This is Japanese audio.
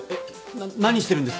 なっ何してるんですか？